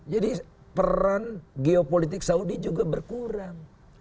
jadi peran geopolitik saudi juga berkurang